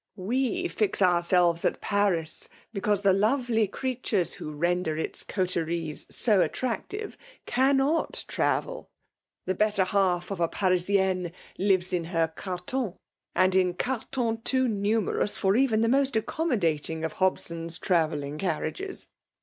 " We fix ourselves at Paris, because the lovely creatures who render its coteries so attractive, cannot travel. The better half of a Parisienne lives in her cartons, and in cartonB too numerous for even the most accommo* dating of Hobson's travelling carriages.